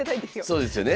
そうですよね。